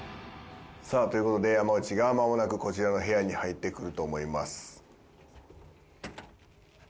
さあという事で山内がまもなくこちらの部屋に入ってくると思います。